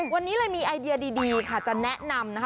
วันนี้เลยมีไอเดียดีค่ะจะแนะนำนะคะ